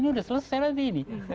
ini udah selesai